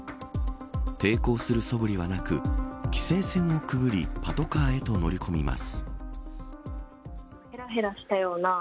抵抗するそぶりはなく規制線をくぐりパトカーへと乗り込みます。